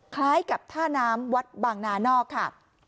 คล้ายกับท่าน้ำวัดบางนานอกค่ะ